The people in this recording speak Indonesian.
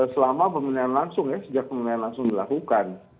selama pemulihan langsung ya sejak pemulihan langsung dilakukan